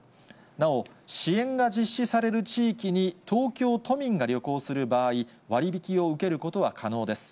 なお、支援が実施される地域に東京都民が旅行する場合、割引を受けることは可能です。